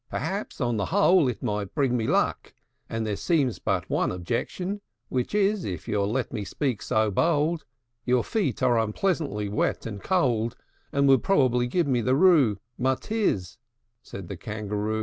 Perhaps, on the whole, it might bring me luck; And there seems but one objection; Which is, if you'll let me speak so bold, Your feet are unpleasantly wet and cold, And would probably give me the roo Matiz," said the Kangaroo.